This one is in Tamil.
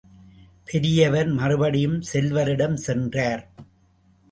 பெரியவர் மறுபடியும் செல்வரிடம் சென்றார்.